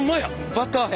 バターや。